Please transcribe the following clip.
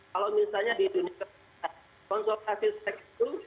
kalau misalnya di dunia konsultasi seks itu